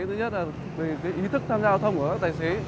thứ nhất là về ý thức tham gia giao thông của các tài xế